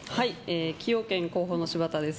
崎陽軒広報の柴田です。